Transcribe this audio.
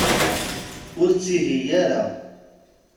Ur ttihiy ara.